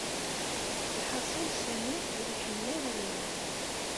Lḥaṣul Sami ur iḥemmel ara Layla.